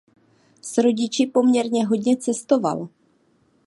S rodiči poměrně hodně cestoval.